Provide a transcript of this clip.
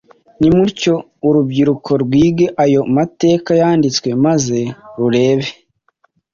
Nimutyo urubyiruko rwige ayo mateka yanditswe maze rurebe